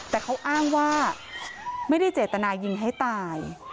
แต่เขาอ้างว่าไม่ได้เจตนายิงให้ตาย